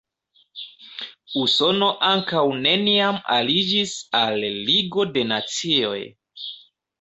Usono ankaŭ neniam aliĝis al Ligo de Nacioj.